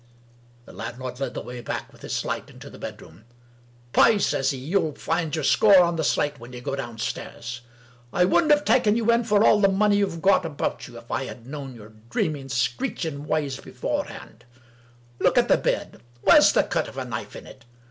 The landlord led the way back with his light into the bedroom. " Pay ?" says he. " You'll find your score on the slate when you go downstairs. I wouldn't have taken you in for all the money you've got about you, if I had known your dreaming, screeching ways beforehand. Look at the bed — ^where's the cut of a knife in it